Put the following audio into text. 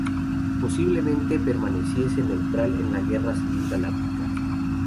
Posiblemente permaneciese neutral en la Guerra Civil Galáctica.